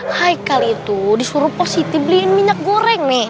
heikel itu disuruh positi beliin minyak goreng nih